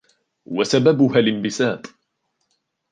وَسَبَبُهَا الِانْبِسَاطُ